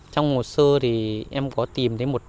trong hồ sơ thì em có tìm thấy một tên là